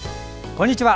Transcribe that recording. こんにちは。